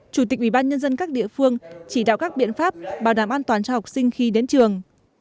chủ tịch ubnd các địa phương chỉ đạo các biện pháp bảo đảm an toàn cho học sinh khi đến trường